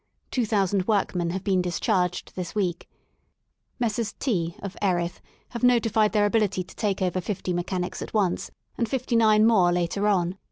Two thousand workmen have been discharged this week, Messrs. T , of Erith, have notified their ability to take over fifty mechanics at once and fifty nine more later on.